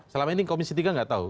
selama ini komisi tiga nggak tahu